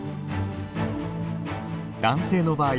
男性の場合